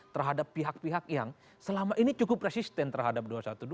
terhadap pihak pihak yang selama ini cukup resisten terhadap dua ratus dua belas